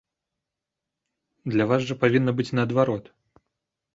Для вас жа павінна быць наадварот?